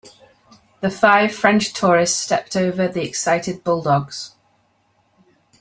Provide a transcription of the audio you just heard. The five French tourists stepped over the excited bulldogs.